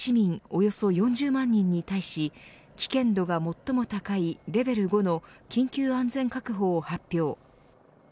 およそ４０万人に対し危険度が最も高いレベル５の緊急安全確保を発表。